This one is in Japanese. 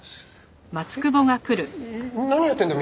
何やってるんだ？